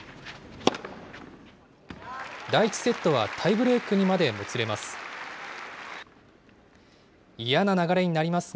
第１セットはタイブレークにまでもつれます。